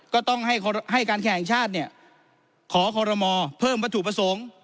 ก็ต้องให้การแข่งชาติขอคอรมอเพิ่มวัตถุประสงค์